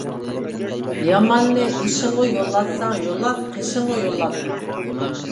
ياماننى ئېشىڭغا يولاتساڭ يولات، قېشىڭغا يولاتما.